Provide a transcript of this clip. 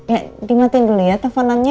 ya dimatiin dulu ya telponannya